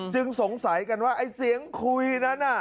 จึงสงสัยกันว่าเสียงคุยนั้นน่ะ